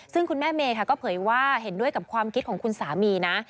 ซึ่งคุณแม่เมย์ค่ะก็เผยว่าเห็นด้วยกับความคิดของคุณสามีนะ